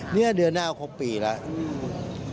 นี่เดือนหน้าครบปีแล้ว